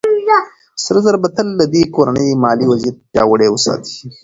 سره زر به تل د دې کورنۍ مالي وضعيت پياوړی وساتي.